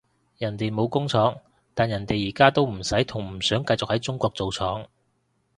人哋冇工廠，但人哋而家都唔使同唔想繼續喺中國做廠